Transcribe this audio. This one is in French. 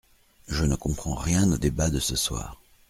Je ne comprends rien au débat de ce soir.